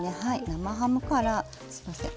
生ハムからすいません